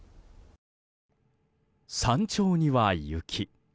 山頂には雪。